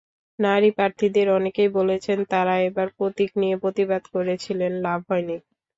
নারী প্রার্থীদের অনেকেই বলছেন, তাঁরা এবার প্রতীক নিয়ে প্রতিবাদ করেছিলেন, লাভ হয়নি।